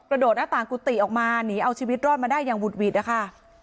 โดดหน้าต่างกุฏิออกมาหนีเอาชีวิตรอดมาได้อย่างหุดหวิดนะคะ